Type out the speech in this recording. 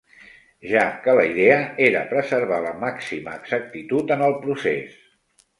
Ja que la idea era preservar la màxima exactitud en el procés.